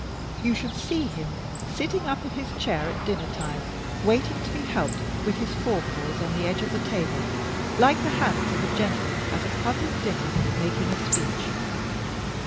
You should see him sitting up in his chair at dinner time, waiting to be helped, with his fore paws on the edge of the table, like the hands of a gentleman at a public dinner making a speech.